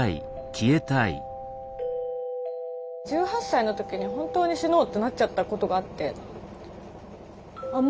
１８歳の時に本当に死のうってなっちゃったことがあってああ